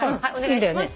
いいんだよね？